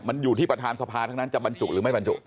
มันอยู่ที่ประธานสภาทั้งนั้นจะบรรจุหรือไม่บรรจุ